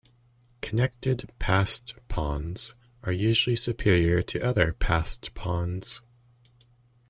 Connected passed pawns are usually superior to other passed pawns.